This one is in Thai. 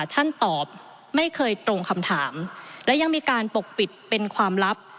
ท่านตอบไม่เคยตรงคำถามและยังมีการปกปิดเป็นความลับ